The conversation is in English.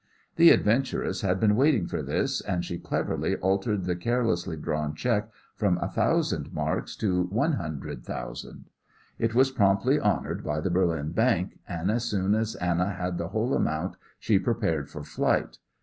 The adventuress had been waiting for this, and she cleverly altered the carelessly drawn cheque from a thousand marks to one hundred thousand. It was promptly honoured by the Berlin bank, and as soon as Anna had the whole amount she prepared for flight.